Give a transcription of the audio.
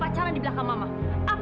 aku habis ketemu sama edo